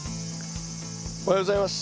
おはようございます。